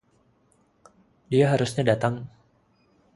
Dia seharusnya datang.